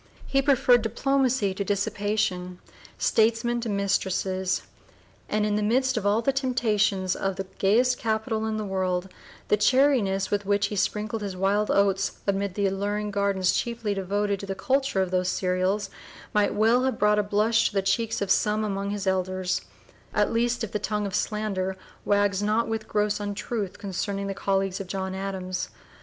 He preferred diplomacy to dissipation, statesmen to mistresses, and in the midst of all the temptations of the gayest capital in the world, the chariness with which he sprinkled his wild oats amid the alluring gardens chiefly devoted to the culture of those cereals might well have brought a blush to the cheeks of some among his elders, at least if the tongue of slander wags not with gross untruth concerning the colleagues of John Adams.